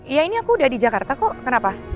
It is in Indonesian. iya ini aku udah di jakarta kok kenapa